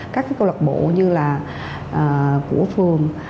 các cái câu lạc bộ như là của phường